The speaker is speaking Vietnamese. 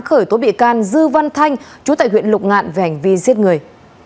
khởi tố bị can dư văn thanh chú tại huyện lục ngạn về hành vi giết người